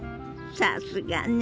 さすがね！